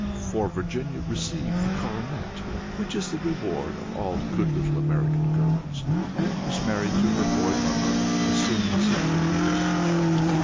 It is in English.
For Virginia received the coronet, which is the reward of all good little American girls, and was married to her boy lover as soon as he came of age.